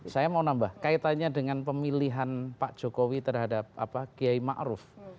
saya mau nambah kaitannya dengan pemilihan pak jokowi terhadap kiai ma'ruf